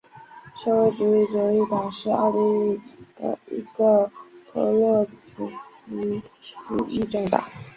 社会主义左翼党是奥地利的一个托洛茨基主义政党。